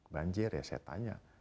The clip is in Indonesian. banjir ya saya tanya